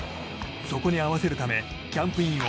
そこに合わせるためキャンプインを